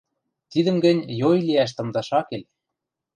Тидӹм гӹнь йой лиӓш тымдаш ак кел.